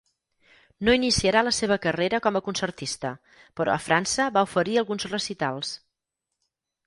No iniciarà la seva carrera com a concertista però a França va oferir alguns recitals.